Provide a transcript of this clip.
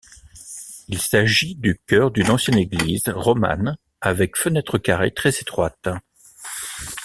Il s'agit du chœur d'une ancienne église romane, avec fenêtres carrées très étroites.